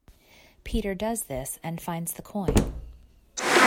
Peter does this and finds the coin.